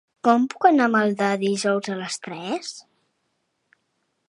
Com puc anar a Maldà dijous a les tres?